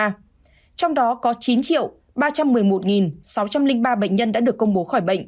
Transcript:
trong đó có chín ba trăm một mươi một sáu trăm linh ba bệnh nhân đã được công bố